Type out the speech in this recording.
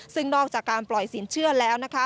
ซึ่งนอกจากการปล่อยสินเชื่อแล้วนะคะ